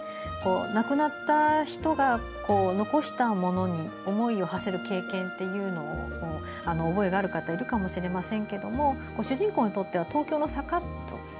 亡くなった人が残したものに思いをはせる経験というのに覚えがある方もいるかもしれませんけども主人公にとっては東京の坂